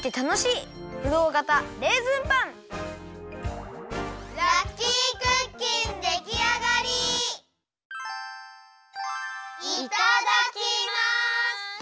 いただきます！